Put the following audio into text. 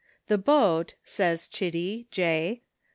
"The boat," says Chitty, J.